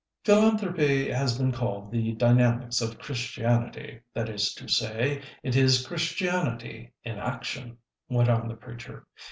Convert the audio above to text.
"Philanthropy has been called the dynamics of Christianity; that is to say, it is Christianity in action," went on the preacher.